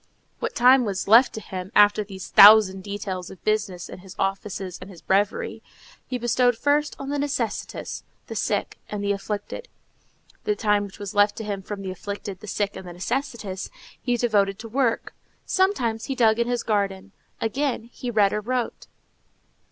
What time was left to him, after these thousand details of business, and his offices and his breviary, he bestowed first on the necessitous, the sick, and the afflicted; the time which was left to him from the afflicted, the sick, and the necessitous, he devoted to work. Sometimes he dug in his garden; again, he read or wrote.